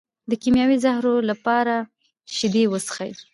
د کیمیاوي زهرو لپاره شیدې وڅښئ